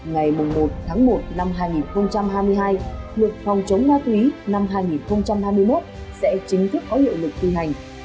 ngày một tháng một năm hai nghìn hai mươi hai luật phòng chống ma túy năm hai nghìn hai mươi một sẽ chính thức có hiệu lực thi hành